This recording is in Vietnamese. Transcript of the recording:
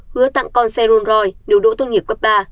hứa tặng con xe rolls royce nếu đỗ tôn nghiệp quốc ba